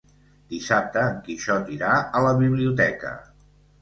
Dissabte en Quixot irà a la biblioteca.